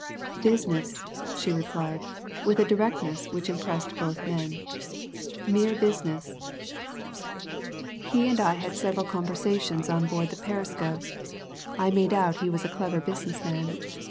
"Business!" she replied, with a directness which impressed both men. "Mere business. He and I had several conversations on board the Perisco I made out he was a clever business man.